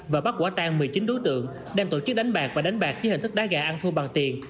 và bắt quả tan một mươi chín đối tượng đang tổ chức đánh bạc và đánh bạc dưới hình thức đá gà ăn thua bằng tiền